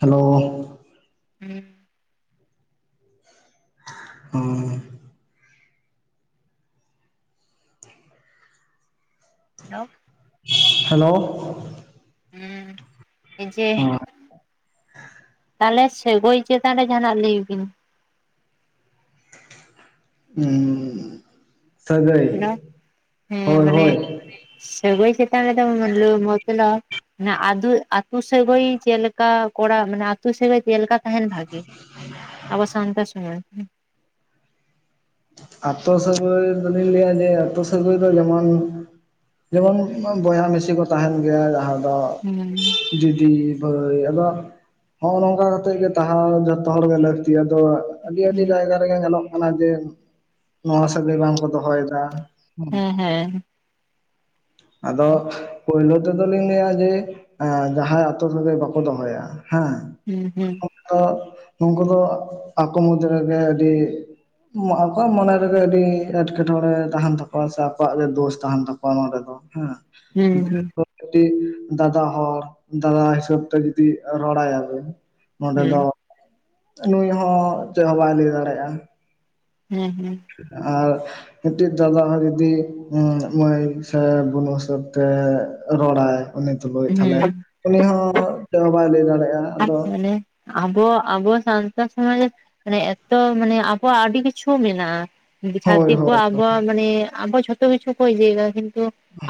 Hello ᱦᱮᱸ ᱦᱩᱸ [unintelligible] hello ᱦᱮᱸ ᱡᱮ ᱛᱟᱦᱚᱞᱮ ᱥᱚᱜᱚᱭ ᱪᱮᱛᱟᱱ ᱨᱮ ᱡᱟᱦᱟᱱᱟᱜ ᱞᱟᱹᱭ ᱵᱤᱱ᱾ ᱦᱩ ᱥᱚᱜᱚᱭ ᱦᱮᱞᱳ ᱦᱮᱸ ᱦᱳᱭ ᱢᱟᱱᱮ ᱦᱳᱭ ᱥᱚᱜᱚᱭ ᱪᱮᱛᱟᱱ ᱨᱮᱫᱚ [unintelligible] ᱟᱛᱳ ᱥᱟᱹᱜᱟᱹᱭ ᱪᱮᱫᱮ ᱞᱮᱠᱟ ᱠᱚᱲᱟ ᱢᱟᱱᱮ ᱟᱹᱛᱳ ᱥᱟᱹᱜᱟᱹᱭ ᱪᱮᱫᱞᱮᱠᱟ ᱛᱟᱦᱮᱱ ᱵᱷᱟᱜᱤ ᱟᱵᱚ ᱥᱟᱱᱛᱟᱲ ᱥᱚᱢᱟᱡᱽ ᱨᱮ? ᱟᱹᱛᱩ ᱥᱟᱹᱜᱟᱹᱭ ᱫᱚᱞᱤᱧ ᱞᱟᱹᱭᱟ ᱡᱮ ᱟᱹᱛᱩ ᱥᱟᱹᱜᱟᱹᱭ ᱫᱚ ᱡᱮᱢᱚᱱ ᱡᱮᱢᱚᱱ ᱵᱚᱭᱦᱟ ᱢᱤᱥᱤ ᱠᱚ ᱛᱟᱦᱮᱱ ᱜᱮᱭᱟ ᱡᱟᱦᱟᱸ ᱫᱚᱼᱼ ᱦᱩᱸ ᱫᱤᱫᱤ ᱵᱷᱟᱭ ᱟᱫᱚ ᱦᱚᱜᱚᱭ ᱱᱚᱝᱠᱟ ᱠᱟᱛᱮᱜ ᱜᱮ ᱛᱟᱦᱮ ᱡᱚᱛᱚ ᱦᱚᱲᱜᱮ ᱞᱟᱹᱠᱛᱤ ᱟᱫᱚᱼᱼ ᱟᱹᱰᱤ ᱟᱹᱰᱤ ᱦᱩᱸ ᱡᱟᱭᱜᱟ ᱨᱮᱜᱮ ᱧᱮᱞᱚᱜ ᱠᱟᱱᱟ ᱡᱮ ᱱᱚᱣᱟ ᱥᱟᱹᱜᱟᱹᱭ ᱵᱟᱝᱠᱚ ᱫᱚᱦᱚᱭᱮᱫᱟ᱾ ᱦᱩᱸ ᱦᱮᱸ ᱦᱮᱸ᱾ ᱟᱫᱚ ᱯᱳᱭᱞᱳ ᱱᱤᱛᱚᱜ ᱫᱚᱞᱤᱧ ᱞᱟᱹᱭᱟ ᱡᱮ ᱡᱟᱦᱟᱸᱭ ᱟᱛᱳ ᱥᱟᱹᱜᱟᱹᱭ ᱵᱟᱠᱚ ᱫᱚᱦᱚᱭᱟ, ᱦᱮᱸ᱾ ᱦᱩᱸ ᱦᱩᱸ᱾ ᱚᱠᱛᱚ ᱱᱩᱠᱩ ᱫᱚ ᱟᱠᱚ ᱢᱚᱫ ᱨᱮᱜᱮ ᱟᱹᱰᱤ ᱢᱟᱦᱟ ᱟᱠᱚᱣᱟᱜ ᱢᱚᱱᱮ ᱨᱮᱜᱮ ᱟᱹᱰᱤ ᱮᱴᱠᱮᱴᱚᱬᱮ ᱛᱟᱦᱮᱱ ᱛᱟᱠᱚᱣᱟ, ᱥᱮ ᱟᱠᱚᱣᱟᱜ ᱫᱳᱥ ᱛᱟᱦᱮᱱ ᱛᱟᱠᱚᱣᱟ ᱱᱚᱰᱮ ᱫᱚ ᱦᱮᱸ᱾ ᱦᱩᱸ ᱦᱩᱸ [unintelligible] ᱠᱟᱹᱴᱤᱜ ᱫᱟᱫᱟ ᱦᱚᱲ, ᱫᱟᱫᱟ ᱦᱤᱥᱟᱹᱵ ᱛᱮ ᱡᱩᱫᱤ ᱨᱚᱲ ᱟᱭᱟᱵᱮᱱ᱾ ᱱᱚᱸᱰᱮ ᱦᱩᱸ ᱫᱚ ᱱᱩᱭ ᱦᱚᱸ ᱪᱮᱜ ᱦᱚᱸ ᱵᱟᱭ ᱞᱟᱹᱭ ᱫᱟᱲᱮᱭᱟᱜᱼᱟ᱾ ᱦᱮᱸ ᱦᱮᱸ᱾ ᱟᱨ ᱢᱤᱫᱴᱤᱡ ᱫᱟᱫᱟ ᱦᱚᱸ ᱡᱩᱫᱤ ᱢᱟᱹᱭ ᱥᱮ ᱵᱩᱱᱩ ᱦᱤᱥᱟᱵ ᱛᱮ ᱨᱚᱲᱟᱭ ᱩᱱᱤ ᱛᱩᱞᱩᱡ, ᱛᱟᱦᱞᱮ ᱦᱩᱸ ᱩᱱᱤ ᱦᱚᱸ ᱪᱮᱫ ᱦᱚᱸ ᱵᱟᱭ ᱞᱟᱹᱭ ᱫᱟᱲᱮᱭᱟᱜᱼᱟ᱾ ᱟᱫᱚ ᱢᱟᱱᱮ ᱟᱵᱚ ᱟᱵᱚ ᱥᱟᱱᱛᱟᱲ ᱥᱚᱢᱟᱡᱽ ᱨᱮ ᱢᱟᱱᱮ ᱮᱛᱛᱚ ᱢᱟᱱᱮ ᱟᱵᱚᱣᱟᱜ ᱟᱹᱰᱤ ᱠᱤᱪᱷᱩ ᱢᱮᱱᱟᱜᱼᱟ᱾ ᱦᱳᱭ ᱪᱷᱟᱹᱛᱤᱠ ᱠᱚ ᱦᱳᱭ ᱦᱳᱭ ᱟᱵᱚᱣᱟᱜ ᱢᱟᱱᱮ ᱟᱵᱚ ᱡᱷᱚᱛᱚ ᱵᱤᱪᱷᱩ ᱠᱚ ᱤᱭᱟᱭ ᱮᱫᱟ ᱠᱤᱱᱛᱩ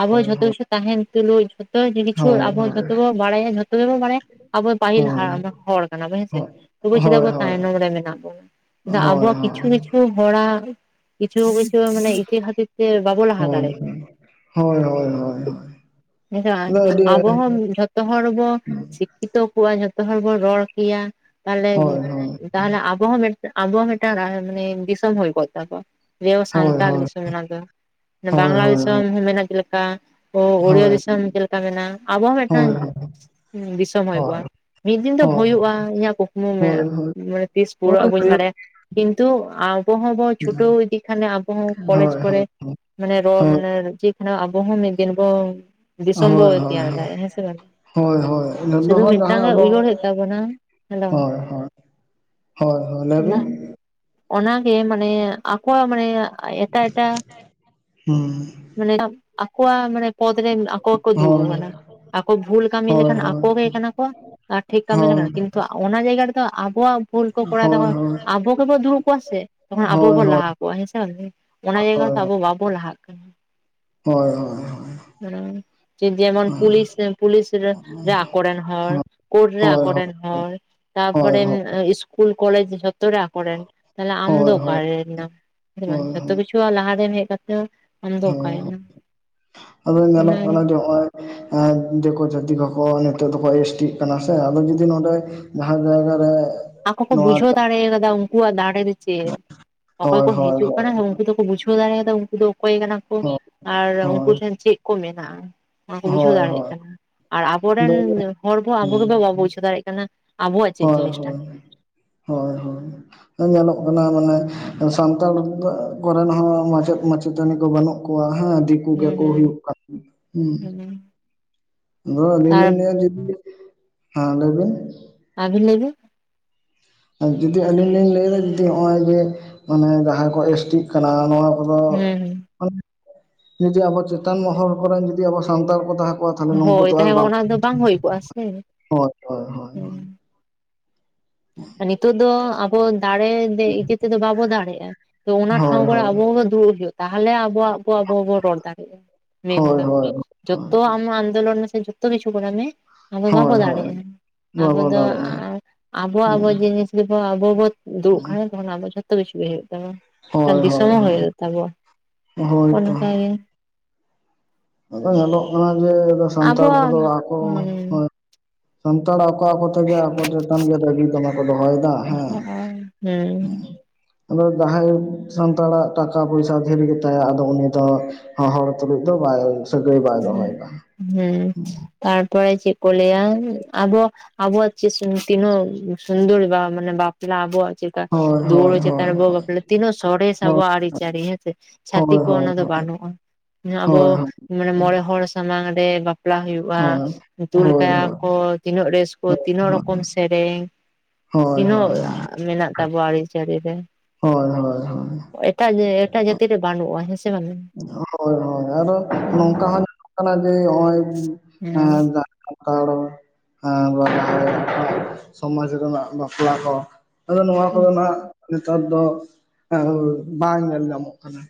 ᱟᱵᱚ ᱦᱳᱭ ᱡᱷᱚᱛᱚ ᱦᱳᱭ ᱠᱤᱪᱷᱩ ᱛᱟᱦᱮᱱ ᱛᱩᱞᱩᱡ ᱡᱷᱚᱛᱚ ᱦᱳᱭ ᱠᱤᱪᱷᱩ ᱦᱳᱭ ᱟᱵᱚ ᱡᱷᱚ ᱡᱚᱵᱚ ᱵᱟᱲᱟᱭᱟ, ᱡᱷᱚᱛᱚ ᱜᱮᱵᱚ ᱵᱟᱲᱟᱭᱟ ᱟᱵᱚ ᱯᱟᱹᱦᱤᱞ ᱦᱳᱭ ᱦᱟᱲᱟᱢ ᱦᱚᱲ᱾ ᱠᱟᱱᱟᱵᱚ ᱦᱮᱸᱥᱮ ᱦᱳᱭ ᱛᱚᱵᱩ ᱪᱮᱫᱟᱜ ᱦᱳᱭ ᱵᱚ ᱦᱳᱭ ᱛᱟᱭᱱᱚᱢ ᱨᱮ ᱢᱮᱱᱟᱜ ᱵᱚᱱᱟ᱾ ᱦᱳᱭ ᱟᱵᱚᱣᱟᱜ ᱠᱤᱪᱷᱩ ᱠᱤᱪᱷᱩ ᱦᱚᱲᱟᱜ ᱠᱤᱪᱷᱩ ᱢᱟᱱᱮ ᱤᱡᱟᱹ ᱠᱷᱟᱹᱛᱤᱨ ᱛᱮ ᱵᱟᱵᱚ ᱞᱟᱦᱟ ᱦᱳᱭ ᱫᱟᱲᱮᱭᱟᱜ ᱠᱟᱱᱟ᱾ ᱦᱳᱭ ᱦᱳᱭ ᱦᱳᱭ ᱟᱫᱚ [unintelligible] ᱟᱹᱰᱤ ᱟᱵᱚ ᱦᱚᱸ ᱡᱷᱚᱛᱚ ᱦᱚᱲ ᱵᱚ ᱥᱤᱠᱷᱟᱹᱣ ᱠᱚᱣᱟ ᱡᱷᱚᱛᱚ ᱦᱚᱲ ᱵᱚᱱ ᱨᱚᱲ ᱠᱮᱭᱟ ᱛᱟᱦᱞᱮ ᱦᱳᱭ ᱦᱳᱭ ᱛᱟᱦᱚᱞᱮ ᱟᱵᱚ ᱦᱚᱸ ᱢᱮᱱ ᱟᱵᱚ ᱦᱚᱸ ᱢᱤᱫᱴᱟᱝ ᱢᱟᱱᱮ ᱫᱤᱥᱚᱢ ᱦᱩᱭ ᱠᱚᱜ ᱛᱟᱵᱚᱣᱟ ᱡᱮ ᱦᱳᱭ ᱥᱟᱱᱛᱟᱲ ᱟᱱᱟ ᱫᱚ, ᱦᱳᱭ ᱦᱳᱭ ᱵᱟᱝᱞᱟ ᱫᱤᱥᱚᱢ ᱦᱚᱸ ᱢᱮᱱᱟᱜᱼᱟ ᱪᱮᱫ ᱞᱮᱠᱟ᱾ ᱚ ᱚᱲᱤᱭᱟ ᱦᱳᱭ ᱦᱳᱭ ᱫᱤᱥᱚᱢ ᱪᱮᱫ ᱞᱮᱠᱟ ᱢᱮᱱᱟᱜᱼᱟ, ᱟᱵᱚᱣᱟᱜ ᱦᱚᱸ ᱦᱳᱭ ᱢᱤᱫᱴᱟᱝ ᱫᱤᱥᱚᱢ ᱦᱳᱭ ᱦᱩᱭ ᱦᱳᱭ ᱠᱚᱜᱼᱟ᱾ ᱢᱤᱫ ᱫᱤᱱ ᱦᱳᱭ ᱫᱚ ᱦᱳᱭ ᱦᱩᱭᱩᱜᱼᱟ, ᱤᱧᱟᱹᱜ ᱠᱩᱠᱢᱩ ᱢᱮ ᱦᱳᱭ ᱦᱳᱭᱳᱜ ᱢᱟᱱᱮ ᱛᱤᱥ ᱦᱳᱭ ᱯᱩᱨᱟᱹᱜᱼᱟ ᱵᱟᱹᱧ ᱵᱟᱲᱟᱭᱟ᱾ ᱠᱤᱱᱛᱩ ᱟᱵᱚ ᱦᱚᱸᱵᱚᱱ ᱪᱷᱩᱴᱟᱹᱣ ᱤᱫᱤ ᱠᱷᱟᱱᱮ, ᱟᱵᱚ ᱦᱚᱸ ᱦᱳᱭ ᱠᱚᱞᱮᱡᱽ ᱦᱳᱭ ᱠᱚᱨᱮ ᱢᱟᱱᱮ ᱨᱚᱲ ᱢᱟᱱᱮ [unintelligible] ᱟᱵᱚ ᱦᱚᱸ ᱢᱤᱫ ᱫᱤᱱ ᱵᱚᱱ ᱫᱤᱥᱚᱢ ᱦᱳᱭ ᱵᱚᱱ ᱦᱳᱭ ᱛᱮᱭᱟᱨ ᱫᱟᱲᱮᱭᱟᱜᱼᱟ, ᱦᱮᱸ ᱥᱮ ᱵᱟᱝ? ᱦᱳᱭ ᱦᱳᱭ ᱥᱩᱫᱩ ᱢᱤᱫ ᱡᱚᱛᱚᱠᱷᱚᱱ ᱢᱤᱫᱴᱟᱝ ᱡᱟᱦᱟᱸ ᱜᱮ ᱟᱵᱚ ᱩᱭᱦᱳᱨ ᱦᱩᱭᱩᱜ ᱛᱟᱵᱚᱱᱟ, ᱦᱮᱞᱳ᱾ ᱦᱳᱭ ᱦᱳᱭ ᱦᱳᱭ ᱦᱳᱭ ᱞᱟᱹᱭ ᱵᱤᱱ ᱚᱱᱟᱜᱮ ᱢᱟᱱᱮ, ᱟᱠᱚᱣᱟᱜ ᱢᱟᱱᱮ ᱮᱴᱟᱜ ᱮᱴᱟᱜ ᱦᱩᱸ ᱢᱟᱱᱮ ᱟᱠᱚᱣᱟᱜ ᱢᱟᱱᱮ ᱯᱚᱫ ᱨᱮᱱ ᱟᱠᱚ ᱜᱮᱠᱚ ᱫᱩᱲᱩᱵ ᱦᱳᱭ ᱠᱟᱱᱟ᱾ ᱟᱠᱚ ᱵᱷᱩᱞ ᱠᱟᱹᱢᱤ ᱦᱳᱭ ᱞᱮᱠᱷᱟᱱ ᱦᱳᱭ ᱟᱠᱚ ᱜᱮ ᱠᱟᱱᱟ ᱠᱚ ᱟᱨ ᱴᱷᱤᱠ ᱠᱟᱢᱤ ᱦᱳᱭ ᱞᱮᱠᱷᱟᱱ, ᱠᱤᱱᱛᱩ ᱚᱱᱟ ᱡᱟᱭᱜᱟ ᱨᱮᱫᱚ ᱟᱵᱚᱣᱟᱜ ᱵᱷᱩᱞ ᱠᱚ ᱦᱳᱭ ᱠᱚᱨᱟᱣ ᱫᱟ ᱦᱳᱭ ᱛᱚᱠᱷᱚᱱ ᱦᱳᱭ ᱟᱵᱚ ᱜᱮᱵᱚ ᱫᱩᱲᱩᱵ ᱠᱚᱜ-ᱟ ᱥᱮ, ᱛᱚᱠᱷᱚᱱ ᱟᱵᱚ ᱦᱳᱭ ᱜᱮᱵᱚ ᱦᱳᱭ ᱞᱟᱦᱟ ᱠᱚᱜ-ᱟ, ᱦᱮᱸᱥᱮ ᱵᱟᱝᱥᱮ᱾ ᱚᱱᱟ ᱡᱟᱭᱜᱟ ᱨᱮ ᱫᱚ ᱟᱵᱚ ᱵᱟᱵᱚᱱ ᱞᱟᱦᱟᱜ ᱠᱟᱱᱟ᱾ ᱦᱳᱭ ᱦᱳᱭ ᱦᱳᱭ ᱾ [unintelligible] ᱡᱮᱢᱚᱱ ᱯᱩᱞᱤᱥ ᱯᱩᱞᱤᱥ ᱨᱮ ᱟᱠᱚ ᱨᱮᱱ ᱦᱚᱲ᱾ ᱠᱳᱨᱰ ᱨᱮ ᱦᱳᱭ ᱦᱳᱭ ᱟᱠᱚ ᱨᱮᱱ ᱦᱚᱲ᱾ ᱦᱳᱭ ᱛᱟᱨᱯᱚᱨᱮ ᱤᱥᱠᱩᱞ ᱠᱚᱞᱮᱡᱽ ᱡᱷᱚᱛ ᱛᱚᱨᱮ ᱟᱠᱚᱨᱮᱱ ᱛᱟᱦᱞᱮ ᱟᱢᱫᱚ ᱦᱳᱭ ᱚᱠᱟᱨᱮ ᱱᱟᱢ᱾ ᱦᱮᱸ ᱵᱟᱝ ᱡᱚᱛᱚ ᱦᱳᱭ ᱠᱤᱪᱷᱩ ᱞᱟᱦᱟᱨᱮ ᱦᱮᱡ ᱠᱟᱛᱮ ᱦᱚ ᱸ ᱦᱮᱸ, ᱟᱫᱚ ᱧᱮᱞᱚᱜ ᱚᱱᱟ ᱠᱟᱱᱟ ᱡᱮ ᱦᱚᱜᱼᱚᱭ ᱫᱮᱠᱳ ᱡᱟᱹᱛᱤ ᱠᱚᱠᱚ ᱱᱤᱛᱳᱜ ᱫᱚᱠᱚ ᱮᱥ ᱴᱤᱜ ᱠᱟᱱᱟ ᱥᱮ, ᱟᱫᱚ ᱡᱩᱫᱤ ᱱᱚᱸᱰᱮ ᱡᱟᱦᱟᱸ ᱡᱟᱭᱜᱟ ᱨᱮ ᱟᱠᱚ ᱠᱚ ᱱᱚᱣᱟ ᱵᱩᱡᱷᱟᱹᱣ ᱫᱟᱲᱮ ᱠᱟᱫᱟ ᱩᱱᱠᱩᱣᱟᱜ ᱫᱟᱲᱮ ᱨᱮ ᱪᱮᱫ᱾ ᱚᱠᱚᱭ ᱦᱳᱭ ᱠᱚ ᱦᱳᱭ ᱦᱤᱡᱩᱜ ᱦᱳᱭ ᱠᱟᱱᱟ ᱩᱱᱠᱩ ᱫᱚᱠᱚ ᱵᱩᱡᱩ ᱵᱩᱡᱷᱟᱹᱣ ᱫᱟᱲᱮᱭᱟᱫᱟ ᱩᱱᱠᱩ ᱫᱚ ᱚᱠᱚᱭ ᱠᱟᱱᱟ ᱠᱚ, ᱦᱳᱭ ᱟᱨ ᱩᱱᱠᱩ ᱦᱳᱭ ᱴᱷᱮᱱ ᱪᱮᱫ ᱠᱚ ᱢᱮᱱᱟᱜᱼᱟ᱾ ᱚᱱᱟ ᱠᱚ ᱵᱩᱡᱷᱟᱹᱣ ᱦᱳᱭ ᱫᱟᱲᱮᱭᱟᱜ ᱦᱳᱭ ᱠᱟᱱᱟ ᱟᱨ ᱟᱵᱚᱨᱮᱱ ᱟᱫᱚ ᱦᱚᱲ ᱫᱚ ᱟᱵᱚ ᱦᱮᱸ ᱵᱟᱵᱚ ᱵᱩᱡᱷᱟᱹᱣ ᱫᱟᱲᱮᱭᱟᱜ ᱠᱟᱱᱟ᱾ ᱠᱟᱱᱟ ᱟᱵᱚᱣᱟ ᱪᱮᱫ ᱦᱳᱭ ᱡᱤᱱᱤᱥ? ᱦᱳᱭ, ᱦᱳᱭ ᱦᱳᱭ ᱧᱮᱞᱚᱜ ᱠᱟᱱᱟ ᱢᱟᱱᱮ ᱥᱟᱱᱛᱟᱲ ᱠᱚᱨᱮᱱ ᱦᱚᱸ ᱢᱟᱪᱮᱫ ᱢᱟᱪᱮᱛᱟᱹᱱᱤ ᱠᱚ ᱵᱟᱹᱱᱩᱜ ᱠᱚᱣᱟ᱾ ᱦᱮᱸ ᱫᱤᱠ ᱦᱩᱸ ᱦᱩᱸ [unintelligible] ᱦᱩᱸ ᱟᱫᱚ ᱟᱹᱞᱤᱧ ᱛᱟᱨ ᱞᱤᱧ ᱞᱟᱹᱭᱟ ᱡᱩᱫᱤ [inaudible] ᱦᱮᱸ ᱞᱟᱹᱭ ᱵᱤᱱ? ᱟᱵᱤᱱ ᱞᱟᱹᱭ ᱵᱤᱱ? ᱟᱨ ᱡᱩᱫᱤ ᱟᱹᱞᱤᱧ ᱞᱤᱧ ᱞᱟᱹᱭᱫᱟ ᱡᱩᱫᱤ ᱦᱸᱚᱜᱼᱚᱭ ᱡᱮ ᱢᱟᱱᱮ ᱡᱟᱦᱟᱸᱭ ᱠᱚ ᱮᱥ- ᱴᱤ ᱠᱟᱱᱟ ᱱᱚᱣᱟ ᱠᱚᱫᱚ, [inaudible] ᱦᱩᱸ ᱡᱩᱫᱤ ᱟᱵᱚ ᱪᱮᱛᱟᱱ ᱢᱚᱦᱚᱞ ᱠᱚᱨᱮᱱ ᱡᱩᱫᱤ ᱟᱵᱚ ᱥᱟᱱᱛᱟᱲ ᱠᱚ ᱛᱟᱦᱮᱸ ᱠᱚᱜᱼᱟ, ᱛᱟᱦᱚᱞᱮ ᱦᱩᱸ ᱱᱚᱝᱠᱩ ᱦᱳᱭ ᱛᱚ ᱟᱨ ᱛᱟᱦᱚᱞᱮ ᱵᱟᱝ ᱚᱱᱟ ᱫᱚ ᱦᱩᱭ ᱠᱚᱜᱼᱟ ᱥᱮ [inaudible] ᱦᱳᱭ ᱦᱳᱭ ᱦᱳᱭ ᱦᱩᱸ ᱦᱳᱭ᱾ ᱱᱤᱛᱚᱜ ᱫᱚ ᱟᱵᱚ ᱫᱟᱲᱮ ᱫᱮ ᱤᱭᱟᱹ ᱛᱮᱫᱚ ᱵᱟᱵᱚ ᱫᱟᱲᱮᱜᱼᱟ᱾ ᱛᱚ ᱚᱱᱟ ᱴᱷᱟᱶ ᱦᱳᱭ ᱠᱚᱨᱮ ᱟᱵᱚ ᱦᱳᱭ ᱜᱮ ᱫᱩᱲᱩᱵ ᱦᱩᱭᱩᱜ ᱛᱟᱦᱚᱞᱮ ᱟᱵᱚᱣᱟᱜ ᱵᱚ ᱟᱵᱚᱵᱚᱱ ᱨᱚᱲ ᱫᱟᱲᱮᱭᱟᱜᱼᱟ᱾ ᱢᱮᱱᱫᱟ, ᱦᱳᱭ ᱡᱚᱛᱚᱣᱟᱜ ᱟᱢ ᱟᱱᱫᱳᱞᱚᱱ ᱢᱮᱥᱮ ᱡᱷᱚᱛᱚ ᱠᱤᱪᱩ ᱠᱚᱨᱟᱣ ᱢᱮ, ᱟᱵᱚ ᱦᱳᱭ ᱵᱟᱵᱚ ᱦᱳᱭ ᱦᱳᱭ ᱫᱟᱲᱮᱜᱼᱟ, ᱟᱵᱚ ᱵᱟᱵᱚ ᱫᱚ ᱫᱟᱲᱮᱭᱟᱜᱼᱟ ᱟᱨ ᱟᱵᱚᱣᱟᱜ ᱟᱵᱚ ᱡᱤᱱᱤᱥ ᱜᱮ ᱵᱚ ᱟᱵᱚ ᱵᱚ ᱫᱩᱲᱩᱵ ᱠᱷᱟᱡ ᱛᱟᱦᱚᱞᱮ ᱟᱵᱚ ᱡᱷᱚᱛ ᱛᱚ ᱠᱤᱪᱷᱩ ᱜᱮ ᱦᱩᱭᱩᱜ ᱛᱟᱢᱟ, ᱴᱟᱝ ᱦᱳᱭ ᱦᱳᱭ ᱫᱤᱥᱚᱢ ᱦᱚᱸ ᱦᱩᱭᱩᱜ ᱛᱟᱵᱚᱣᱟ ᱦᱳᱭᱛᱚ ᱚᱱᱠᱟ ᱜᱮ᱾ ᱟᱫᱚ ᱧᱮᱞᱚᱜ ᱠᱟᱱᱟ ᱡᱮ ᱟᱫᱚ ᱟᱵᱚ ᱥᱟᱱᱛᱟᱲ ᱠᱚᱫᱚ ᱟᱠᱚ ᱦᱳᱭ ᱦᱩᱸ ᱥᱟᱱᱛᱟᱲ ᱟᱠᱚ ᱟᱠᱚ ᱛᱮᱜᱮ ᱟᱠᱚ ᱪᱮᱛᱟᱱ ᱜᱮ ᱨᱟᱹᱜᱤ ᱫᱚᱢᱮᱠᱚ ᱫᱚᱦᱚᱭᱮᱫ ᱫᱟ᱾ ᱦᱮᱸ, ᱦᱮᱸ᱾ ᱦᱩᱸ ᱟᱫᱚ ᱡᱟᱦᱟᱸᱭ ᱥᱟᱱᱛᱟᱲᱟᱜ ᱴᱟᱠᱟ-ᱯᱚᱭᱥᱟ ᱫᱷᱮᱨ ᱜᱮᱛᱟᱭᱟ ᱟᱫᱚ ᱩᱱᱤ ᱫᱚ ᱦᱚ-ᱦᱚᱲᱚ ᱛᱩᱞᱩᱡ ᱫᱚ ᱵᱟᱭ ᱥᱟᱹᱜᱟᱹᱭ ᱵᱟᱭ ᱦᱮᱸ, ᱫᱚᱦᱚᱭᱮᱫᱟ ᱦᱮᱸᱛᱟᱨᱯᱚᱨᱮ ᱪᱮᱫ ᱠᱚ ᱞᱟᱹᱭᱟ ᱟᱵᱚ ᱟᱵᱚᱣᱟᱜ ᱪᱮ ᱥᱩᱱ ᱛᱤᱱᱟᱹᱜ ᱥᱩᱱᱫᱟᱹᱨ ᱵᱟ ᱢᱟᱱᱮ ᱵᱟᱯᱞᱟ ᱟᱵᱚᱣᱟ ᱪᱮᱫ ᱦᱳᱭ ᱦᱳᱭ ᱫᱩᱣᱟᱹᱲᱟᱹ ᱦᱳᱭ ᱪᱮᱛᱟᱱ ᱨᱮ ᱵᱚ ᱵᱟᱯᱞᱟ ᱛᱤᱱᱟᱹᱜ ᱥᱚᱨᱮᱥ ᱦᱳᱭ ᱟᱵᱚᱣᱟᱜ ᱟᱹᱨᱤᱪᱟᱹᱨᱤ ᱦᱮᱸ ᱥᱮ᱾ ᱦᱳᱭ ᱪᱷᱟᱹᱛᱤᱠ ᱠᱚᱣᱟᱜ ᱦᱳᱭ ᱚᱱᱟ ᱫᱚ ᱵᱟᱹᱱᱩᱜᱼᱟ, ᱟᱵᱚ ᱦᱳᱭ ᱢᱟᱱᱮ ᱢᱚᱬᱮ ᱦᱚᱲ ᱥᱟᱢᱟᱝ ᱨᱮ ᱵᱟᱯᱞᱟ ᱦᱩᱭᱩᱜᱼᱟ, ᱦᱳᱭ ᱛᱩᱞ ᱦᱳᱭ ᱦᱳᱭ ᱠᱟᱭᱟ ᱠᱚ ᱛᱤᱱᱟᱹᱜ ᱨᱮᱥ ᱠᱳ ᱛᱤᱱᱟᱹᱜ ᱨᱚᱠᱚᱢ ᱥᱮᱨᱮᱧ, ᱦᱳᱭ ᱛᱤᱱᱟᱹᱜ ᱢᱮᱱᱟᱜ ᱛᱟᱵᱚᱣᱟ ᱟᱹᱨᱤᱪᱟᱹᱨᱤ ᱨᱮ᱾ ᱦᱳᱭ ᱦᱳᱭ ᱦᱳᱭ᱾ ᱮᱴᱟᱜ ᱮᱴᱟᱜ ᱡᱟᱹᱛᱤ ᱨᱮ ᱵᱟᱹᱱᱩᱜᱼᱟ᱾ ᱦᱮᱸ ᱥᱮ ᱵᱟᱝᱟ? ᱦᱳᱭ ᱦᱳᱭ, ᱟᱨᱚ ᱱᱚᱝᱠᱟ ᱦᱚᱸ ᱧᱮᱞᱚᱜ ᱠᱟᱱᱟ ᱡᱮ ᱦᱚᱸᱜ-ᱚᱭ ᱮᱸ ᱫᱟ [inaudible] ᱥᱚᱢᱟᱡᱽ ᱨᱮᱱᱟᱜ ᱵᱟᱯᱞᱟ ᱠᱚ, ᱟᱫᱚ ᱱᱚᱣᱟ ᱠᱚᱫᱚ ᱦᱮᱸ ᱱᱟᱦᱟᱜ ᱱᱮᱛᱟᱨ ᱫᱚ ᱵᱟᱝ ᱧᱮᱞ ᱧᱟᱢᱚᱜ ᱠᱟᱱᱟ᱾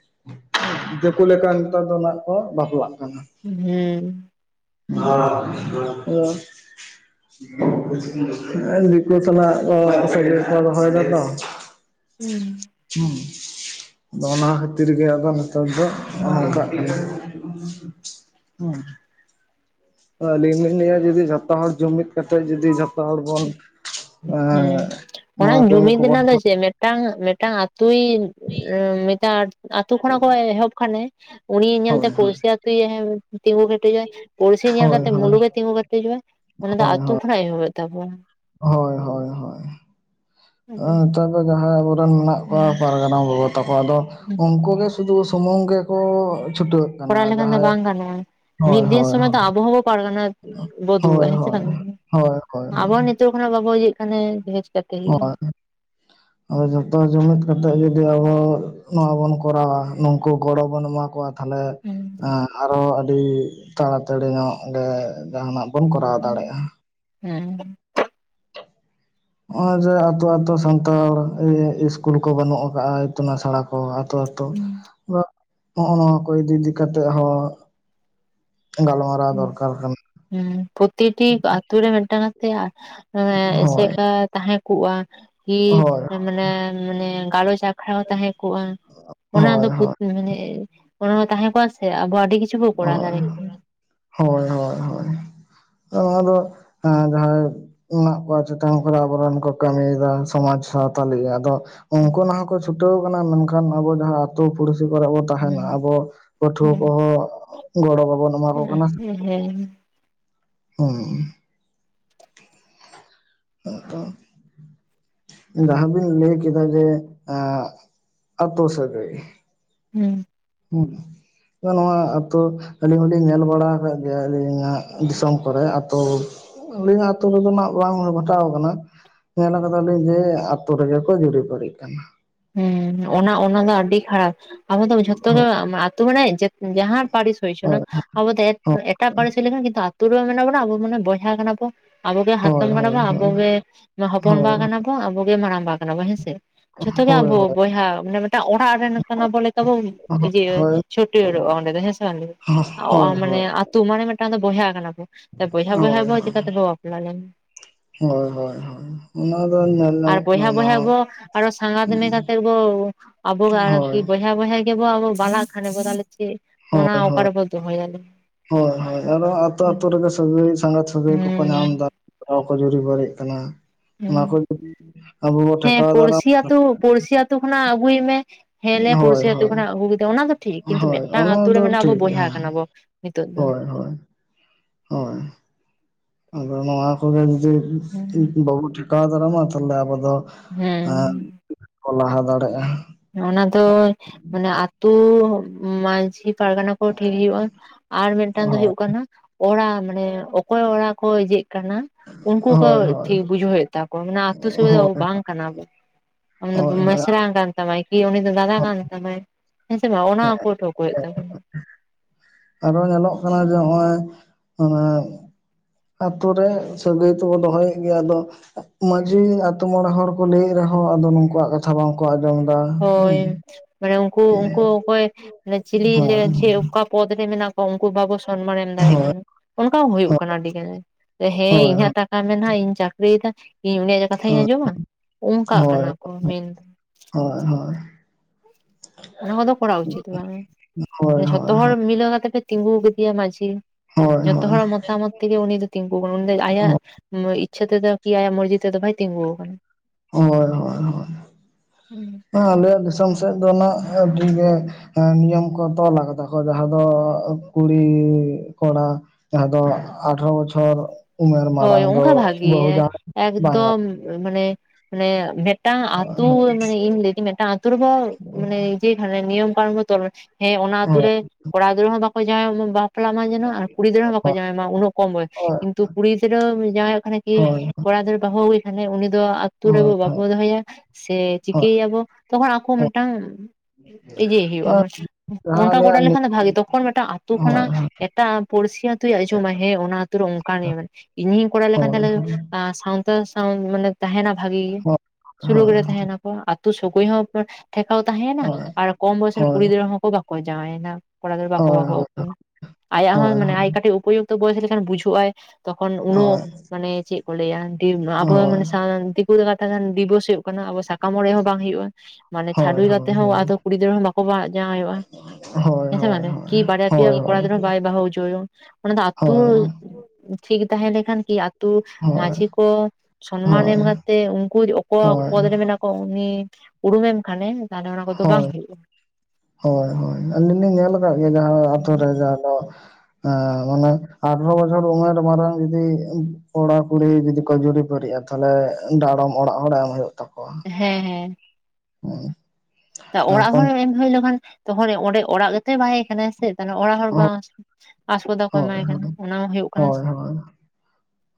ᱫᱮᱠᱳ ᱞᱮᱠᱟ ᱱᱮᱛᱟᱨ ᱫᱚ ᱱᱟᱦᱟᱜ ᱠᱚ ᱵᱟᱯᱞᱟᱜ ᱠᱟᱱᱟ᱾ ᱦᱩᱸ᱾ [unintelligible] ᱫᱤᱠᱩ ᱥᱟᱞᱟᱜ ᱦᱚ ᱥᱟᱹᱜᱟᱹᱭ ᱠᱚ ᱫᱚᱦᱚᱭ ᱫᱟ ᱛᱚ᱾ ᱦᱩᱸ ᱟᱫᱚ ᱚᱱᱟ ᱠᱷᱟᱹᱛᱤᱨ ᱜᱮ ᱟᱫᱚ ᱱᱮᱛᱟᱨ ᱫᱚ ᱦᱚᱹᱜ-ᱚ ᱱᱚᱝᱠᱟᱜ ᱠᱟᱱᱟ᱾ ᱦᱩᱹ, ᱟᱹᱞᱤᱧ ᱞᱤᱧ ᱞᱟᱹᱭᱟ ᱡᱩᱫᱤ ᱡᱷᱚᱛᱚ ᱦᱚᱲ ᱡᱩᱢᱤᱫ ᱠᱟᱛᱮ ᱡᱩᱫᱤ ᱡᱷᱚᱛ ᱡᱚᱛᱚ ᱦᱚᱲ ᱵᱚᱱ ᱮᱸ, ᱦᱮᱸ ᱱᱚᱣᱟ ᱠᱟᱹᱢᱤ ᱠᱚᱵᱚᱱ ᱠ ᱴᱟᱝ ᱢᱮᱫᱴᱟᱝ ᱟ ᱛᱩᱭ ᱮᱸ ᱢᱮᱛᱟᱜ [unintelligible] ᱢᱤᱫᱴᱟᱝ ᱟᱛᱩ ᱠᱷᱚᱱᱟᱜ ᱠᱚ ᱮᱦᱚᱵ ᱠᱷᱟᱱᱮ ᱩᱱᱤ ᱧᱮᱞᱛᱮ ᱦᱳᱭ ᱯᱩᱲᱥᱤ ᱟᱛ [unintelligible] ᱛᱤᱸᱜᱩ ᱠᱮᱴᱮᱡᱚᱜ-ᱟᱭ, ᱯᱩᱲᱥᱤ ᱧᱮᱞ ᱦᱳᱭ ᱠᱟᱛᱮ ᱦᱳᱭ ᱦᱳᱭ ᱢᱩᱞᱩᱜ-ᱮ ᱛᱤᱸᱜᱩ ᱠᱮᱴᱮᱡᱚᱜ-ᱟᱭ ᱚᱱᱟ ᱫᱚ ᱦᱳᱭ ᱟᱛᱩ ᱦᱳᱭ ᱟᱱᱟ ᱮᱦᱚᱵ ᱦᱩᱭᱩᱜ ᱛᱟᱵᱚᱱ᱾ ᱦᱳᱭ ᱦᱳᱭ᱾ ᱟᱻ ᱱᱮᱛᱟᱨᱮ ᱫᱚ ᱡᱟᱦᱟᱸᱭ ᱟᱵᱚᱨᱮᱱ ᱢᱮᱱᱟᱜ ᱠᱚᱣᱟ ᱯᱟᱨᱜᱟᱱᱟ ᱵᱟᱵᱟ ᱛᱟᱠᱚ ᱟᱫᱚ ᱩᱱᱠᱩ ᱜᱮ ᱥᱩᱫᱩ ᱥᱩᱢᱩᱝ ᱜᱮ ᱠᱚ ᱪᱷᱩᱴᱟᱹᱜ ᱠᱟᱱᱟ ᱠᱚᱲᱟ ᱞᱮᱠᱷᱟᱱ ᱫᱚ ᱡᱟᱦᱟᱸᱭ ᱵᱟᱝ ᱜᱟᱱᱚᱜᱼᱟ᱾ ᱢᱤᱫ ᱦᱳᱭ ᱫᱤᱱ ᱦᱳᱭ ᱥᱚᱢᱚᱭ ᱫᱚ ᱦᱳᱭ, ᱟᱵᱚ ᱦᱚᱵᱚ ᱯᱟᱨᱜᱟᱱᱟ ᱵᱚ ᱫᱩᱲᱭᱵ-ᱟ ᱦᱳᱭ ᱦᱮᱸ ᱥᱮ ᱦᱳᱭ, ᱵᱟᱝ ᱞᱟᱹᱭ ᱢᱮ, ᱦᱳᱭ ᱦᱳᱭ ᱦᱳᱭ, ᱟᱵᱚᱣᱟᱜ ᱱᱤᱛ ᱱᱤᱛᱳᱜ ᱠᱷᱚᱱᱟᱜ ᱵᱟᱵ ᱤᱭᱟᱹᱜ ᱠᱟᱱᱮ [inaudible] ᱦᱳᱭ [inaudible] [inaudible] ᱟᱫᱚ ᱡᱚᱛᱚ ᱡᱩᱢᱤᱫ ᱠᱟᱛᱮᱜ ᱡᱩᱫᱤ ᱟᱵᱚ ᱱᱚᱣᱟ ᱵᱚᱱ ᱠᱚᱨᱟᱣᱟ ᱱᱩᱠᱩ ᱜᱚᱲᱚ ᱵᱚᱱ ᱮᱢᱟ ᱠᱚᱣᱟ᱾ ᱛᱟᱦᱚᱞᱮ ᱦᱮᱸ ᱟᱨᱚ ᱟᱹᱰᱤ ᱛᱟᱲᱟᱛᱟᱹᱲᱤ ᱧᱚᱜ ᱜᱮ ᱡᱟᱦᱟᱱᱟᱜ ᱵᱚᱱ ᱠᱚᱨᱟᱣ ᱫᱟᱲᱮᱭᱟᱜᱼᱟ᱾ ᱦᱮᱸ᱾ ᱱᱚᱜ-ᱚᱭ ᱡᱮ ᱟᱹᱛᱩ ᱟᱹᱛᱩ ᱥᱟᱱᱛᱟᱲ ᱤᱥᱠᱩᱞ ᱠᱚ ᱵᱟᱹᱱᱩᱜ ᱟᱠᱟᱫᱼᱟ ᱤᱛᱩᱱ ᱟᱥᱲᱟ ᱠᱚ ᱟᱹᱛᱩ ᱦᱮᱸ ᱱᱚᱜᱼᱚ ᱱᱚᱣᱟ ᱠᱚ ᱤᱫᱤ ᱤᱫᱤ ᱠᱟᱛᱮᱜ ᱦᱚᱸ᱾ ᱜᱟᱞᱢᱟᱨᱟᱣ ᱫᱚᱨᱠᱟᱨ ᱠᱟᱱᱟ ᱦᱩᱸ ᱯᱨᱚᱛᱴᱤ ᱟᱛᱳ ᱨᱮ ᱢᱤᱫᱴᱟᱝ ᱠᱟᱛᱮ ᱦᱳᱭ ᱮᱥᱮᱠᱟ ᱛᱟᱦᱮᱸ ᱠᱚᱜᱼᱟ ᱠᱤ ᱦᱳᱭ ᱢᱟᱱᱮ ᱢᱟᱱᱮ ᱜᱟᱞᱚᱪ ᱟᱠᱷᱲᱟ ᱦᱚᱸ ᱛᱟᱦᱮᱸ ᱠᱚᱜᱼᱟ ᱚᱱᱟ ᱦᱳᱭ ᱫᱚ ᱦᱳᱭ ᱢᱟᱱᱮ ᱚᱱᱟ ᱛᱟᱦᱮᱸ ᱠᱚ-ᱟ ᱥᱮ ᱟᱵᱚ ᱟᱹᱰᱤ ᱠᱤ ᱦᱳᱭ ᱦᱳᱭ ᱦᱳᱭ ᱦᱳᱭ᱾ ᱱᱚᱣᱟ ᱫᱚᱸ ᱡᱟᱦᱟᱸᱭ ᱢᱮᱱᱟᱜ ᱠᱚᱣᱟ ᱪᱮᱛᱟᱱ ᱠᱚᱨᱮ ᱟᱵᱚᱨᱮᱱ ᱠᱚ ᱠᱟᱹᱢᱤᱭᱮᱫᱟ ᱥᱚᱢᱟᱡ ᱥᱟᱶᱛᱟ ᱞᱟᱹᱜᱤ᱾ ᱟᱫᱚ ᱩᱱᱠᱩ ᱚᱱᱟ ᱦᱚᱸᱠᱚ ᱪᱷᱩᱴᱟᱹᱣ ᱠᱟᱱᱟ ᱢᱮᱱᱠᱷᱟᱱ ᱟᱵᱚ ᱡᱟᱦᱟᱸ ᱟᱛᱳ ᱯᱩᱲᱥᱤ ᱠᱚᱨᱮ ᱵᱚ ᱛᱟᱦᱮᱱᱟ ᱦᱩᱸ ᱟᱵᱚ ᱯᱟᱹᱴᱷᱩᱣᱟᱹ ᱦᱩᱸ ᱠᱚᱦᱚᱸ ᱜᱚᱲᱚ ᱵᱟᱵᱚᱱ ᱮᱢᱟ ᱠᱚ ᱦᱮᱸ ᱠᱟᱱᱟ᱾ ᱦᱮᱸ ᱦᱩᱸ᱾ [inaudible] ᱡᱟᱦᱟᱸ ᱵᱤᱱ ᱞᱟᱹᱭ ᱠᱮᱫᱟ ᱡᱮ ᱟᱛᱳ ᱥᱟᱹᱜᱟᱹᱭ᱾ ᱦᱩᱸ᱾ [inaudible] ᱱᱚᱣᱟ ᱟᱹᱛᱩ ᱟᱹᱞᱤᱧ ᱦᱚᱞᱤᱧ ᱧᱮᱞ ᱵᱟᱲᱟ ᱟᱠᱟᱫ ᱜᱮᱭᱟ ᱟᱹᱞᱤᱧᱟᱜ ᱫᱤᱥᱚᱢ ᱠᱚᱨᱮ ᱟᱹᱛᱩ ᱟᱹᱞᱤᱧᱟᱜ ᱟᱛᱳ ᱨᱮᱫᱚ ᱱᱟᱜ ᱵᱟᱝ ᱜᱷᱚᱴᱟᱣ ᱠᱟᱱᱟ᱾ ᱧᱮᱞ ᱟᱠᱟᱫᱟᱞᱤᱧ ᱡᱮ ᱟᱛᱳ ᱨᱮᱜᱮ ᱠᱚ ᱡᱩᱨᱤ ᱯᱟᱨᱤ ᱠᱟᱱᱟ᱾ ᱦᱮᱸ ᱚᱱᱟ ᱚᱱᱟ ᱟᱹᱰᱤ ᱠᱷᱟᱨᱟᱯ᱾ ᱟᱵᱚ ᱫᱚ ᱡᱷᱚᱛᱚ ᱦᱳ ᱜᱮ ᱢᱟᱱᱮ [unintelligible] ᱡᱟᱦᱟ ᱯᱟᱨᱤᱥ ᱦᱩᱭᱪᱚᱱᱚ᱾ ᱟᱵᱚ ᱫᱚ ᱮᱴᱟᱜ ᱯᱟᱲᱤᱥ ᱞᱮᱠᱷᱟᱱ ᱠᱤᱱᱛᱩ ᱟᱹᱛᱩ ᱨᱮ ᱢᱮᱱᱟᱜ ᱵᱚᱱᱟ ᱢᱟᱱᱮ ᱵᱚᱭᱦᱟ ᱠᱟᱱᱟ ᱵᱚᱱ᱾ ᱟᱵᱚᱜᱮ ᱦᱟᱛᱚᱢ ᱠᱟᱱᱟ ᱵᱚ ᱟᱵᱚ ᱜᱮ ᱦᱚᱯᱚᱱᱵᱟ ᱠᱟᱱᱟ ᱵᱚ ᱟᱵᱚᱜᱮ ᱢᱟᱨᱟᱲᱟᱝᱵᱟ ᱠᱟᱱᱟᱵᱚ ᱦᱮᱸ ᱥᱮ᱾ ᱡᱚᱛᱚᱜᱮ ᱟᱵᱚ ᱵᱚᱭᱦᱟ ᱢᱟᱱᱮ ᱢᱤᱫᱴᱟᱝ ᱚᱲᱟᱜ ᱨᱮᱱ ᱠᱟᱱᱟ ᱵᱚᱞᱮ ᱞᱮᱠᱟᱵᱚ ᱤᱭᱟᱹ [unintelligible] ᱚᱸᱰᱮ ᱫᱚ ᱦᱮᱸᱥᱮ ᱵᱟᱝ? ᱢᱟᱱᱮ ᱟᱹᱛᱩ ᱢᱟᱱᱮ ᱢᱤᱫᱴᱟᱝ ᱫᱚ ᱵᱚᱭᱦᱟ ᱠᱟᱱᱟ ᱵᱚ᱾ ᱵᱚᱭᱦᱟ ᱵᱚᱭᱦᱟ ᱵᱚ ᱪᱤᱠᱟ ᱛᱮᱵᱚ ᱵᱟᱯᱞᱟ ᱞᱟᱹᱭᱢᱮ? ᱦᱳᱭ ᱦᱳᱭ ᱦᱳᱭ ᱚᱱᱟ ᱫᱚ ᱧᱮᱞ ᱟᱨ ᱧᱟᱢᱚᱜ ᱠᱟᱱᱟ ᱵᱚᱭᱦᱟ ᱚᱱᱟ ᱵᱚᱭᱦᱟ ᱦᱚᱸ ᱵᱚ ᱟᱨᱚ ᱥᱟᱸᱜᱟᱛᱮ ᱢᱚᱱᱮ ᱠᱟᱛᱮᱫ ᱵᱚ ᱟᱵᱚ ᱦᱳᱭ ᱟᱨᱠᱤ ᱵᱚᱭᱦᱟ ᱵᱚᱭᱦᱟ ᱜᱮᱵᱚ ᱟᱵᱚ [unintelligible] ᱵᱟᱱᱟ ᱠᱟ ᱦᱟᱱᱮ ᱵᱚᱫᱟᱞᱮ ᱪᱮ ᱚᱱᱟ ᱦᱳᱭ ᱦᱳᱭ ᱚᱠᱟᱨᱮ ᱵᱚ ᱫᱚᱦᱚᱭᱟ? ᱦᱳᱭ ᱦᱳᱭ ᱟᱨ ᱟᱹᱛᱩ ᱟᱹᱛᱳ ᱨᱮᱜᱮ ᱥᱟᱹᱜᱟᱹᱭ ᱥᱟᱸᱜᱟᱛ ᱥᱟᱹᱜᱟᱹᱭ ᱠᱚᱠᱚ ᱧᱟᱢ ᱦᱩᱸ ᱮᱫᱟ ᱟᱨ ᱠᱚ ᱡᱩᱨᱤ ᱯᱟᱨᱤᱜ ᱠᱟᱱᱟ᱾ ᱚᱱᱟ ᱠᱚ ᱟᱵᱚ ᱵᱚ ᱴᱷᱮᱠᱟᱣ ᱫᱟᱨᱟᱢ ᱫᱚᱨᱠᱟᱨ᱾ ᱛᱚ ᱠᱷᱚᱱᱟᱜ ᱟᱹᱜᱩᱭ ᱢᱮ᱾ ᱦᱮᱸ ᱞᱮ ᱦᱳᱭ ᱯᱩᱲᱥᱤ ᱟᱹᱛᱳ ᱦᱳᱭ ᱠᱷᱚᱱᱟᱜ ᱟᱹᱜᱩ ᱠᱮᱫᱟ ᱚᱱᱟ ᱫᱚ ᱴᱷᱤᱠ ᱠᱤᱱᱛᱩ ᱦᱳᱭ ᱢᱤᱫᱴᱟᱝ ᱚᱱᱟ ᱟᱛᱳ ᱨᱮ ᱫᱚ ᱢᱟᱱᱮ ᱟᱵᱚ ᱴᱷᱤᱠ ᱵᱚᱭᱦᱟ ᱦᱮᱸ ᱠᱟᱱᱟ ᱵᱚᱱ᱾ ᱦᱳᱭ ᱦᱳᱭ᱾ ᱦᱳᱭ ᱟᱫᱚ ᱱᱚᱣᱟ ᱠᱚᱜᱮ ᱡᱩᱫᱤ ᱵᱟᱵᱩ ᱴᱷᱤᱠ᱾ ᱴᱮᱠᱟᱣ ᱫᱟᱨᱟᱢᱟ ᱛᱟᱦᱚᱞᱮ ᱟᱵᱚ ᱫᱚ ᱮ ᱦᱮᱸ ᱵᱟᱵᱚ ᱞᱟᱦᱟ ᱫᱟᱲᱮᱭᱟᱜᱼᱟ᱾ ᱚᱱᱟ ᱫᱚ ᱢᱟᱱᱮ ᱟᱛᱳ ᱢᱟᱺᱡᱷᱤ ᱯᱟᱨᱜᱟᱱᱟ᱾ ᱴᱷᱤᱠᱳᱭᱳᱜᱼᱟ ᱟᱨ ᱢᱤᱫᱴᱟᱝ ᱫᱚ ᱦᱳᱭᱳᱜ ᱠᱟᱱᱟ᱾ ᱚᱲᱟᱜ ᱢᱟᱱᱮ ᱚᱠᱚᱭ ᱚᱲᱟᱜ ᱠᱚ ᱤᱡᱟᱜ ᱠᱟᱱᱟ? ᱩᱱᱠᱩ ᱠᱚ ᱦᱳᱭ ᱦᱳᱭ ᱦᱳᱭ ᱴᱷᱤᱠ ᱵᱩᱡᱷᱟᱹᱣ ᱦᱩᱭᱩᱜ ᱛᱟᱠᱚᱣᱟ ᱢᱟᱱᱮ ᱟᱛᱩ ᱥᱟᱜᱟᱹᱭ ᱦᱳᱭ ᱫᱚ ᱵᱟᱝ᱾ ᱠᱟᱱᱟ ᱵᱚ ᱟᱢ ᱫᱚ ᱦᱳᱭ ᱦᱳᱭ ᱢᱤᱥᱨᱟ ᱠᱟᱱ ᱛᱟᱢᱟ ᱠᱤ? ᱩᱱᱤ ᱫᱚ ᱫᱟᱫᱟ ᱠᱟᱱ ᱛᱟᱢᱟᱭ᱾ ᱦᱮᱸᱥᱮ ᱵᱟᱝ? ᱚᱱᱟᱠᱚ ᱴᱷᱟᱹᱣᱠᱚ ᱦᱩᱭᱩᱜ ᱛᱟᱵᱚᱱᱟ᱾ ᱟᱫᱚ ᱧᱮᱞᱚᱜ ᱡᱟᱱᱟ ᱡᱮ ᱦᱚᱜᱚᱭ ᱚᱱᱮ᱾ ᱟᱛᱳ ᱨᱮ ᱥᱟᱹᱜᱟᱹᱭ ᱛᱚ ᱠᱚ ᱫᱚᱦᱚᱭᱮᱫ ᱜᱮᱭᱟ ᱟᱫᱚ, ᱢᱟᱺᱡᱷᱤ ᱟᱛᱳ ᱢᱚᱬᱮ ᱦᱚᱲᱠᱩ ᱞᱟᱹᱭᱮᱫ ᱨᱮᱦᱚᱸ ᱟᱫᱚ ᱱᱩᱠᱩᱣᱟᱜ ᱠᱟᱛᱷᱟ, ᱵᱟᱝᱠᱚ ᱟᱸᱡᱚᱢ ᱮᱫᱟ ᱦᱳᱭ ᱦᱮᱸ ᱢᱟᱱᱮ ᱩᱱᱠᱩ ᱩᱱᱠᱩ ᱚᱠᱚᱭ ᱢᱟᱱᱮ ᱪᱤᱞᱤ ᱞᱮ ᱦᱳᱭ ᱪᱮᱫ ᱚᱠᱟ ᱯᱚᱫ ᱨᱮ ᱢᱮᱱᱟᱜ ᱠᱚᱣᱟ ᱩᱱᱠᱩ ᱵᱟᱵᱚ ᱥᱚᱱᱢᱟᱱ ᱮᱢ ᱫᱟᱲᱮᱭᱟᱜ ᱠᱟᱱᱟ, ᱚᱱᱠᱟ ᱦᱚᱸ ᱦᱩᱭᱩᱜ ᱠᱟᱱᱟ ᱟᱹᱰᱤᱜᱟᱱᱜᱮ᱾ ᱦᱮᱸ ᱦᱳᱭ ᱦᱳᱭ ᱤᱧᱟᱜ ᱴᱟᱠᱟ ᱢᱮᱱᱟᱜᱼᱟ ᱤᱧ ᱪᱟᱹᱠᱨᱤᱭᱮᱫᱟ ᱤᱧ ᱩᱱᱤᱭᱟᱜ ᱠᱟᱛᱷᱟᱧ ᱟᱸᱡᱚᱢᱟ, ᱚᱱᱠᱟᱜ ᱦᱳᱭ ᱠᱟᱱᱟ ᱠᱚ ᱢᱮᱱ ᱦᱳᱭ ᱦᱳᱭ, ᱚᱱᱟ ᱠᱚᱫᱚ ᱠᱚᱨᱟᱣ ᱩᱪᱤᱛ ᱵᱟᱝ ᱦᱳᱭ ᱦᱳᱭ ᱢᱟᱱᱮ ᱡᱷᱚᱛᱚ ᱦᱳᱭ ᱦᱚᱲ ᱢᱤᱞᱟᱶ ᱠᱟᱛᱮᱯᱮ ᱛᱤᱜᱩ ᱠᱟᱫᱮᱭᱟ ᱢᱟᱺᱡᱷᱤ᱾ ᱦᱳᱭ ᱡᱚᱛᱚ ᱦᱳᱭ ᱦᱚᱲᱟᱜ ᱢᱚᱛᱟᱢᱚᱛ ᱛᱮᱜᱮ ᱩᱱᱤ ᱫᱚ ᱛᱤᱸᱜᱩ ᱠᱟᱱᱟ ᱩᱱᱤ ᱫᱚ ᱦᱳᱭ ᱟᱭᱟᱜ, ᱤᱪᱪᱷᱟ ᱛᱮ ᱫᱚ ᱠᱤ ᱟᱭᱟᱜ ᱢᱚᱨᱡᱤᱛᱮ ᱫᱚ ᱵᱟᱭ ᱛᱤᱸᱜᱩ ᱟᱠᱟᱱᱟ᱾ ᱦᱳᱭ ᱦᱳᱭ ᱦᱳᱭ ᱟᱞᱮᱭᱟᱜ ᱫᱤᱥᱚᱢ ᱥᱮᱫ ᱫᱚ ᱱᱟᱜ ᱟᱹᱰᱤᱜᱮ ᱮᱸ ᱱᱤᱭᱚᱢ ᱠᱚ ᱛᱚᱞ ᱟᱠᱟᱫᱟ ᱠᱚ ᱡᱟᱦᱟᱸ ᱫᱚ ᱠᱩᱲᱤ ᱠᱚᱲᱟ ᱡᱟᱦᱟᱸ ᱫᱚ ᱟᱴᱷᱨᱚ ᱵᱚᱪᱷᱚᱨ ᱩᱢᱮᱨ ᱦᱳᱭ ᱢᱟᱲᱟᱝ ᱫᱚ ᱚᱱᱠᱟ ᱵᱟᱹᱦᱩ ᱡᱟᱣᱟᱭ ᱵᱟᱝ ᱜᱟᱱᱚᱜ᱾ ᱢᱟᱱᱮ ᱢᱟᱱᱮ ᱢᱟᱱᱮ, ᱢᱤᱫᱴᱟᱝ ᱟᱛᱩ ᱢᱟᱱᱮ ᱤᱧ ᱞᱟᱹᱭ ᱫᱤᱧ ᱢᱤᱫᱴᱟᱝ ᱟᱛᱩ ᱨᱮ ᱢᱟᱱᱮ ᱠᱷᱟᱱ ᱱᱤᱭᱚᱢ ᱠᱟᱹᱱᱩᱱ ᱠᱚ ᱛᱚᱞᱟ᱾ ᱦᱮᱸ ᱚᱱᱟ ᱟᱛᱳ ᱜᱟᱱᱚᱜ-ᱟ᱾ ᱨᱮ, ᱠᱚᱲᱟ ᱜᱤᱫᱽᱨᱟᱹ ᱦᱚᱸ ᱵᱟᱠᱚ ᱡᱟᱣᱟᱭᱚᱜ ᱵᱟᱯᱞᱟᱜ ᱢᱟ ᱡᱮᱱᱚ ᱟᱨ ᱠᱩᱲᱤ ᱜᱤᱫᱽᱟᱹ ᱦᱚᱸ ᱵᱟᱠᱚ ᱡᱟᱶᱟᱭ ᱢᱟ ᱩᱱᱟᱹᱜ ᱠᱚᱢ ᱵᱚᱭᱚᱥ ᱨᱮ ᱦᱳᱭ ᱠᱤᱱᱛᱩ, ᱠᱩᱲᱤ ᱜᱤᱫᱽᱨᱟᱹ ᱡᱟᱢᱟᱭᱚᱜ ᱠᱷᱟᱱᱚᱜ ᱠᱤ ᱦᱳᱭ ᱠᱚᱲᱟ ᱜᱤᱫᱽᱨᱟᱹ ᱵᱟᱦᱩ ᱟᱹᱜᱩᱭ ᱠᱷᱟᱱ ᱩᱱᱤ ᱫᱚ ᱟᱹᱛᱩ ᱨᱮ ᱦᱳᱭ ᱦᱳᱭ ᱵᱟᱠᱚ ᱫᱚᱦᱚᱭᱟ᱾ ᱥᱮ ᱦᱳᱭ ᱪᱤᱠᱟᱹᱭ ᱭᱟᱵᱚ ᱛᱚᱠᱷᱚᱱ ᱟᱠᱚ ᱦᱳᱭ ᱢᱤᱫᱴᱟᱝ ᱤᱭᱟᱹᱭ ᱦᱩᱭᱩᱜᱼᱟ ᱦᱳᱭ ᱡᱟᱦᱟᱸ ᱚᱱᱠᱟ ᱠᱚᱨᱟᱣ ᱟᱞᱮᱭᱟᱜ ᱱᱤ ᱞᱮᱠᱷᱟᱱ ᱫᱚ ᱵᱷᱟᱜᱤ ᱛᱚᱠᱷᱚᱱ ᱢᱤᱫᱴᱟᱝ ᱟᱛᱳ ᱦᱳᱭ ᱠᱷᱚᱱᱟᱜ ᱮᱴᱟᱜ ᱯᱚᱲᱥᱤ ᱟᱛᱳ ᱟᱸᱡᱚᱢᱟ ᱦᱮᱸ ᱚᱱᱟ ᱟᱛᱩ ᱨᱮ ᱚᱱᱠᱟᱱ ᱱᱤᱭᱚᱢ ᱢᱮᱱᱟᱜ, ᱤᱧᱤᱧ ᱠᱚᱨᱟᱣ ᱞᱮᱠᱷᱟᱱ ᱦᱳᱭ ᱛᱟᱦᱞᱮ ᱥᱟᱶᱛᱟ ᱥᱟᱶᱛᱟ ᱢᱟᱱᱮ, ᱛᱟᱦᱮᱱᱟ ᱵᱷᱟᱜᱤ ᱜᱮ ᱦᱳᱭ ᱦᱳᱭ ᱥᱩᱞᱩᱠ ᱦᱳᱭ ᱨᱮ ᱛᱟᱦᱮᱱᱟ ᱠᱚ ᱟᱛᱳ ᱥᱚᱜᱚᱭ ᱦᱚᱸ, ᱴᱷᱮᱠᱟᱣ ᱛᱟᱦᱮᱸᱭᱮᱱᱟ ᱟᱨ ᱠᱚᱢ ᱵᱚᱭᱚᱥ ᱨᱮ ᱦᱳᱭ ᱠᱩᱲᱤ ᱜᱤᱫᱽᱨᱟᱹ ᱦᱚᱸᱠᱚ ᱵᱟᱠᱚ ᱡᱟᱶᱟᱭᱮᱱᱟ᱾ ᱠᱚᱲᱟ ᱜᱤᱫᱽᱨᱟᱹ ᱵᱟᱠᱚ ᱦᱳᱭ ᱵᱟᱦᱩ ᱟᱠᱚ ᱠᱟᱱᱟ ᱦᱳᱭ ᱟᱭᱟᱜ ᱦᱚᱸ ᱦᱳᱭ ᱦᱳᱭ ᱢᱟᱱᱮ ᱟᱡ ᱠᱟᱹᱴᱤᱡ ᱩᱯᱚᱡᱩᱠᱛᱚ ᱵᱚᱭᱚᱥ ᱞᱮᱠᱷᱟᱱ ᱵᱩᱡᱷᱟᱹᱜ ᱟᱭ᱾ ᱛᱚᱠᱷᱚᱱ ᱩᱱᱟᱹᱜ ᱦᱳᱭ ᱢᱟᱱᱮ ᱪᱮᱫ ᱠᱚ ᱞᱟᱹᱭᱟ ᱟᱵᱚ ᱦᱳᱭ ᱢᱟᱱᱮ ᱥᱟᱱᱛᱤ [unintelligible] ᱫᱤᱵᱚᱥ ᱦᱩᱭᱩᱜ ᱠᱟᱱᱟ, ᱟᱵᱚ ᱥᱟᱠᱟᱢ ᱚᱨᱮᱡ ᱦᱚᱸ ᱵᱟᱝ ᱦᱳᱭᱳᱜᱼᱟ ᱢᱟᱱᱮ ᱦᱳᱭ ᱦᱳᱭ ᱪᱷᱟᱹᱰᱶᱤ ᱠᱟᱛᱮ ᱦᱳᱭ ᱦᱳᱭ ᱦᱚᱸ ᱠᱩᱲᱤ ᱜᱤᱫᱽᱟᱹ ᱦᱚᱸ ᱵᱟᱝ, ᱠᱚ ᱡᱟᱣᱟᱭᱚᱜᱼᱟ ᱦᱮᱸᱥᱮ ᱢᱟᱱᱮ ᱠᱤ ᱵᱟᱨᱭᱟ ᱦᱳᱭ ᱯᱮᱭᱟ ᱦᱳᱭ ᱠᱚᱲᱟ ᱜᱤᱫᱽᱨᱟᱹ ᱦᱚᱸ ᱵᱟᱭ ᱵᱟᱦᱩ ᱦᱚᱪᱚ, ᱚᱱᱟ ᱫᱚ ᱟᱛᱳ ᱦᱳᱭ ᱴᱷᱤᱠ ᱛᱟᱦᱮ ᱞᱮᱠᱷᱟᱱ ᱠᱤ ᱟᱛᱳ ᱦᱳᱭ ᱢᱟᱺᱡᱷᱤ ᱠᱚ ᱥᱚᱱᱢᱟᱱ ᱦᱳᱭ ᱮᱢ ᱠᱟᱛᱮ ᱩᱱᱠᱩ ᱚᱠᱟ ᱦᱳᱭ ᱯᱚᱫ ᱨᱮ ᱢᱮᱱᱟᱜ ᱠᱚᱣᱟ ᱩᱱᱤ ᱩᱨᱩᱢ ᱮᱢ ᱠᱷᱟᱱᱮ ᱛᱟᱦᱚᱞᱮ ᱚᱱᱟ ᱠᱚᱫᱚ ᱵᱟᱝ ᱦᱳᱭ ᱦᱩᱭᱩᱜᱼᱟ᱾ ᱦᱳᱭ ᱦᱳᱭ ᱟᱹᱞᱤᱧ ᱞᱤᱧ ᱧᱮᱞ ᱠᱟᱫ ᱜᱮᱭᱟ ᱡᱟᱦᱟᱸ ᱟᱛᱳ ᱦᱮᱸ ᱨᱮ ᱡᱟᱦᱟᱸ ᱫᱚ ᱦᱮᱸ ᱢᱟᱱᱮ ᱟᱴᱷᱚᱨᱚ ᱵᱚᱪᱷᱚᱨ ᱩᱢᱮᱨ ᱢᱟᱨᱟᱝ ᱡᱩᱫᱤ ᱠᱚᱲᱟ ᱠᱩᱲᱤ ᱡᱩᱫᱤ ᱠᱚ ᱡᱩᱨᱤ ᱯᱟᱹᱨᱤᱜᱼᱟ ᱛᱟᱦᱚᱞᱮ ᱰᱟᱬᱚᱢ ᱚᱲᱟᱜ ᱦᱚᱲ ᱮᱢ ᱦᱩᱭᱩᱜ ᱛᱟᱠᱚᱣᱟ᱾ ᱦᱮᱸ ᱦᱮᱸ, [unintelligible] ᱛᱚ ᱚᱲᱟᱜ ᱦᱚᱲ ᱮᱢ ᱦᱩᱭ ᱞᱮᱠᱷᱟᱱ ᱛᱚ ᱚᱸᱰᱮ ᱚᱲᱟᱜ ᱜᱮᱛᱚᱭ ᱵᱟᱭᱮ ᱠᱟᱱᱟ ᱥᱮ᱾ ᱛᱟᱦᱚᱞᱮ ᱚᱲᱟᱜ ᱦᱚᱲ ᱵᱟᱝ ᱟᱥᱯᱚᱫᱫᱟ ᱠᱚ ᱦᱳᱭ ᱮᱢᱟᱭ ᱠᱟᱱᱟ ᱚᱱᱟ ᱦᱚᱸ ᱦᱩᱭᱩᱜ ᱠᱟᱱᱟ᱾ ᱦᱳᱭ ᱦᱳᱭ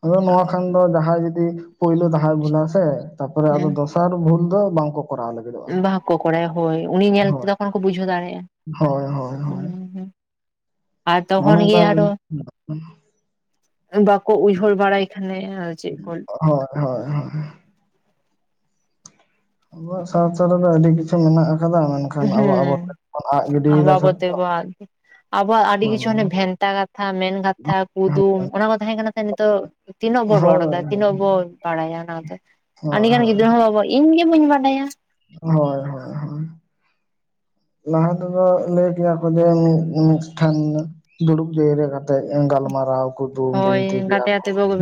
ᱟᱫᱚ ᱱᱚᱣᱟ ᱠᱷᱟᱱ ᱫᱚ ᱡᱟᱦᱟᱸᱭ ᱡᱩᱫᱤ ᱯᱳᱭᱞᱳ ᱫᱷᱟᱣ ᱵᱷᱩᱞᱟ ᱥᱮ ᱛᱟᱯᱚᱨᱮ ᱟᱫᱚ ᱫᱚᱥ ᱫᱚᱥᱟᱨ ᱵᱷᱩᱞ ᱫᱚ ᱵᱟᱝ ᱠᱚ ᱠᱚᱨᱟᱣ ᱞᱟᱜᱤᱫ᱾ ᱵᱟᱠᱚ ᱠᱚᱨᱟᱭᱟ ᱦᱳᱭ, ᱩᱱᱤ ᱧᱮᱞᱛᱮ ᱛᱚᱠᱷᱚᱱ ᱠᱚ ᱵᱩᱡᱷᱟᱹᱣ ᱫᱟᱲᱮᱭᱟᱜᱼᱟ᱾ ᱦᱳᱭ ᱦᱳᱭ ᱦᱳᱭ ᱟᱨ ᱱᱚᱜᱼᱚ ᱛᱚᱠᱷᱚᱱ ᱜᱮ ᱱᱚᱝᱠᱟ ᱟᱨᱚ᱾ ᱵᱟᱠᱚ ᱩᱭᱦᱟᱹᱨ ᱵᱟᱲᱟᱭ ᱠᱷᱟᱱᱮ ᱪᱮᱫ ᱠᱚ ᱚ ᱦᱳᱭ ᱦᱳᱭ ᱦᱳᱭ᱾ ᱟᱵᱚᱣᱟᱜ ᱥᱟᱶᱛᱟ ᱨᱮᱫᱚ ᱟᱹᱰᱤ ᱠᱤᱪᱷᱩ ᱢᱮᱱᱟᱜ ᱟᱠᱟᱫᱟ ᱢᱟᱱᱮ ᱦᱮᱸ [unintelligible] ᱡᱷᱚᱛᱚ ᱟᱵᱚᱣᱟᱜ ᱟᱹᱰᱤ ᱠᱤᱪᱷᱩ ᱦᱟᱱᱮ ᱵᱷᱮᱱᱛᱟ ᱠᱟᱛᱷᱟ ᱢᱮᱱ ᱠᱟᱛᱷᱟ ᱠᱩᱫᱩᱢ ᱚᱱᱟ ᱠᱚ ᱛᱟᱦᱮᱸ ᱠᱟᱱᱟ ᱥᱮ ᱱᱤᱛᱚᱜ ᱛᱤᱱᱟᱹᱜ ᱵᱚᱱ ᱦᱳᱭ ᱨᱚᱲ ᱫᱟ ᱦᱳᱭ ᱦᱳᱭ ᱛᱤᱱᱟᱹᱜ ᱵᱚᱱ ᱵᱟᱲᱟᱭᱟ ᱚᱱᱟ ᱫᱚ, ᱦᱳᱭ ᱟᱹᱰᱤᱜᱟᱱ ᱜᱤᱫᱽᱨᱟᱹ ᱦᱚᱸ ᱵᱟᱵᱚ ᱤᱧ ᱜᱮ ᱵᱟᱹᱧ ᱵᱟᱰᱟᱭᱟ᱾ ᱦᱳᱭ ᱦᱳᱭ ᱦᱳᱭ᱾ ᱞᱟᱦᱟ ᱛᱮᱫᱚ ᱞᱟᱹᱭ ᱠᱮᱭᱟ ᱠᱚ ᱡᱮ ᱢᱤᱫ ᱢᱤᱫ ᱴᱷᱥᱱ ᱫᱩᱲᱩᱵ ᱡᱟᱣᱨᱟ ᱠᱟᱛᱮᱜ ᱜᱟᱞᱢᱟᱨᱟᱣ ᱠᱩᱫᱩᱢ ᱦᱳᱭ ᱵᱤᱱᱛᱤ ᱜᱮᱭᱟ ᱜᱟᱛᱮ ᱠᱚ᱾ ᱜᱟᱛᱮ ᱵᱚ